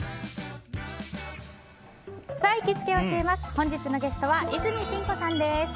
本日のゲストは泉ピン子さんです。